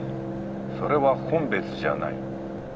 それは本別じゃない。